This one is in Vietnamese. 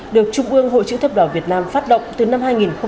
được trung ương hội chữ thấp đỏ việt nam phát động từ năm hai nghìn hai mươi hai